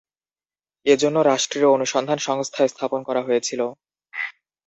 এজন্য রাষ্ট্ৰীয় অনুসন্ধান সংস্থা স্থাপন করা হয়েছিল।